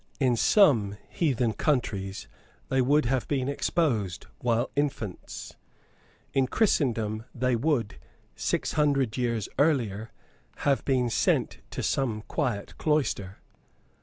In some heathen countries they would have been exposed while infants. In Christendom they would, six hundred years earlier, have been sent to some quiet cloister.